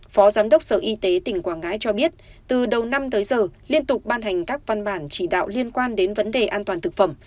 phó giám đốc sở y tế tỉnh quảng ngãi cho biết từ đầu năm tới giờ liên tục ban hành các văn bản chỉ đạo liên quan đến vấn đề an toàn thực phẩm